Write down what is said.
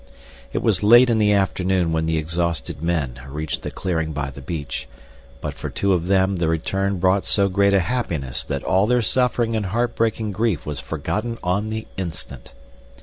It was late in the afternoon when the exhausted men reached the clearing by the beach, but for two of them the return brought so great a happiness that all their suffering and heartbreaking grief was forgotten on the instant.